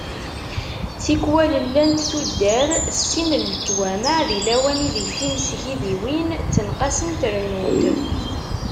Tikwal llant tuddar s sin n leǧwamaɛ, di lawan ideg timesgidiwin ttenqasent rennunt.